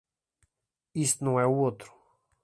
Isso não é - o outro.